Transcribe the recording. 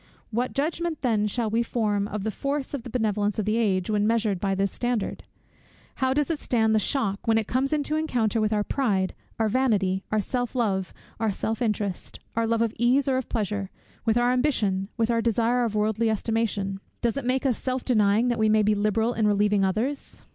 What judgment then shall we form of the force of the benevolence of the age, when measured by this standard? How does it stand the shock, when it comes into encounter with our pride, our vanity, our self love, our self interest, our love of ease or of pleasure, with our ambition, with our desire of worldly estimation? Does it make us self denying, that we may be liberal in relieving others?